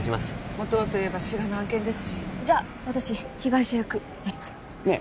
元はといえば志賀の案件ですしじゃ私被害者役やりますねえ